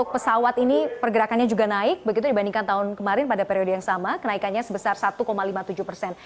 peningkatan tahun kemarin pada periode yang sama kenaikannya sebesar satu lima puluh tujuh persen